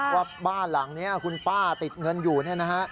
ว่าบ้านหลังนี้คุณป้าติดเงินอยู่เนี่ยนะฮะ